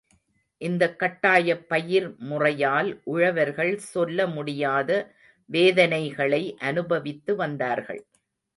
இந்தக் கட்டாயப் பயிர் முறையால் உழவர்கள் சொல்ல முடியாத வேதனைகளை அனுபவித்து வந்தார்கள்.